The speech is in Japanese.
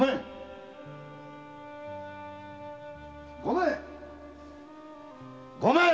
ごめん！ごめん！